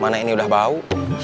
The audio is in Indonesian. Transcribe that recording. mana ini udah bau